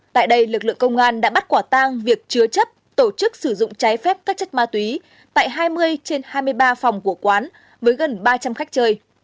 tại đây lực lượng công an đã bắt quả tang việc chứa chấp tổ chức sử dụng trái phép các chất ma túy tại hai mươi trên hai mươi ba phòng của quán với gần ba trăm linh khách chơi